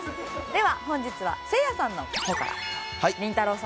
では本日はせいやさんの方からりんたろー。